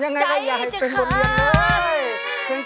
อย่างไรไม่ให้เป็นบทเลื่อนเลย